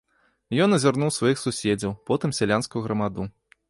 Ён азірнуў сваіх суседзяў, потым сялянскую грамаду.